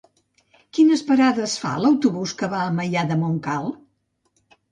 Quines parades fa l'autobús que va a Maià de Montcal?